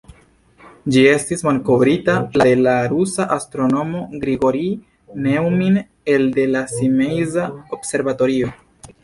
Ĝi estis malkovrita la de la rusa astronomo Grigorij Neujmin elde la Simeiza observatorio.